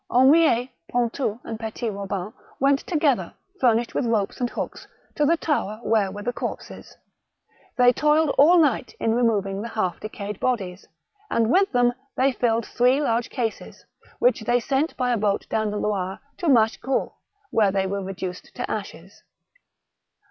Henriet, Pontou, and Petit Robin went together, furnished with ropes and hooks, to the tower where were the corpses. They toiled all night in removing the half decayed bodies, and with them they filled three large cases, which they sent by a boat down the Loire to Machecoul, where they were reduced to ashes.